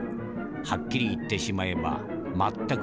はっきり言ってしまえば全く淫らなものだ。